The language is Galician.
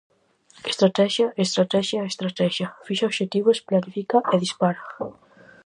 Estratexia, estratexia, estratexia: fixa obxectivos, planifica e dispara!